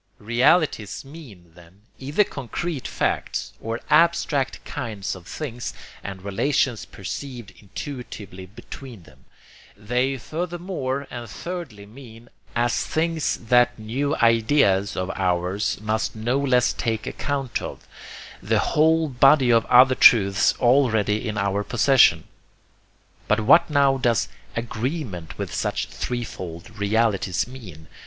Realities mean, then, either concrete facts, or abstract kinds of things and relations perceived intuitively between them. They furthermore and thirdly mean, as things that new ideas of ours must no less take account of, the whole body of other truths already in our possession. But what now does 'agreement' with such three fold realities mean?